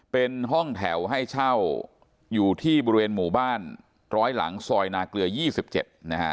เป็นห้องแถวให้เช่าอยู่ที่บริเวณหมู่บ้านร้อยหลังซอยนาเกลือ๒๗นะฮะ